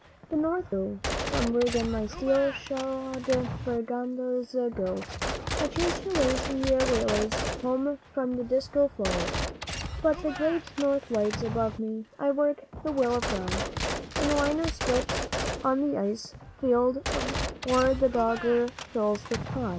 The North Wind blew: 'From Bergen my steel shod vanguards go; I chase your lazy whalers home from the Disko floe; By the great North Lights above me I work the will of God, And the liner splits on the ice field or the Dogger fills with cod.